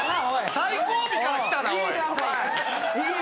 最後尾から来たなおい。